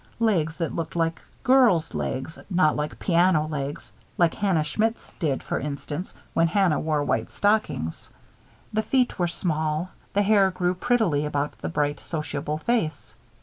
Legs that looked like girls' legs, not like piano legs as Hannah Schmidt's did, for instance, when Hannah wore white stockings. The feet were small. The hair grew prettily about the bright, sociable face.